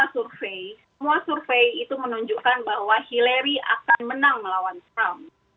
semua survei semua survei itu menunjukkan bahwa hillary akan menang melawan trump